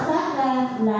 cái khóa tiệm của